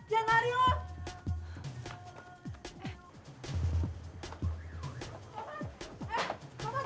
jangan lari loh